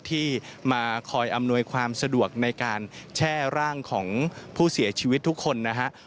ที่มาคอยอำนวยความสะดวกในการแช่ร่างของผู้เสียชีวิตทุกคนนะฮะ